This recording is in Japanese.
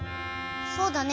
そうだね。